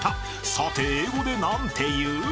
さて英語で何て言う？］